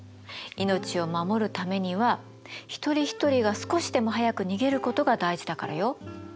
命を守るためには一人一人が少しでも早く逃げることが大事だからよ。